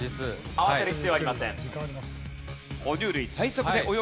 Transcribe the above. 慌てる必要ありません。